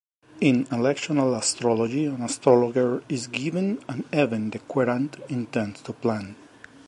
In electional astrology, an astrologer is given an event the querent intends to plan.